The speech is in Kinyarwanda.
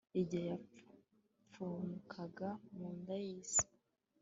igihe yapfupfunukaga mu nda y'isi